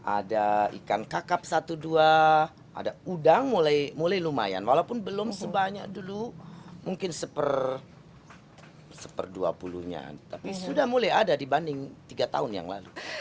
ada ikan kakap satu dua ada udang mulai lumayan walaupun belum sebanyak dulu mungkin seper dua puluh nya tapi sudah mulai ada dibanding tiga tahun yang lalu